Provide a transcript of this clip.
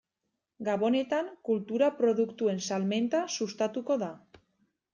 Gabonetan kultura produktuen salmenta sustatuko da.